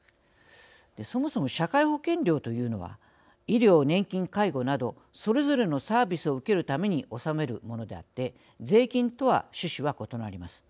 そもそも、社会保険料というのは医療、年金、介護などそれぞれのサービスを受けるために納めるものであって税金とは趣旨が異なります。